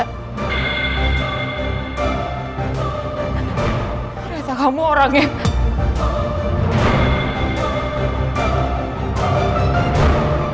ternyata kamu orang yang